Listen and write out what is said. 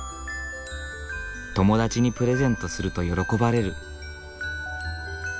友達にプレゼントすると喜ばれる。